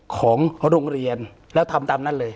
ของโรงเรียนแล้วทำตามนั้นเลย